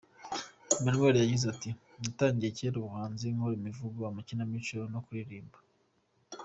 Emmanuel yagize ati: “Natangiye cyera ubuhanzi nkora imivugo, amakinamico no kuririmba.